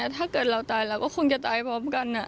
ถ้าเกิดเราตายเราก็คงจะตายพร้อมกัน